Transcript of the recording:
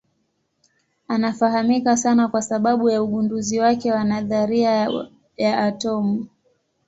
Anafahamika sana kwa sababu ya ugunduzi wake wa nadharia ya atomu.